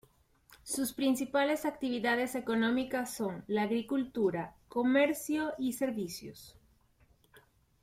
Sus principales actividades económicas son la agricultura, comercio y servicios.